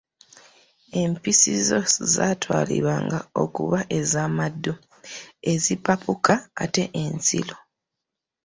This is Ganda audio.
Empisi zo zatwalibwanga okuba ez’amaddu, ezipakuka ate ensilu.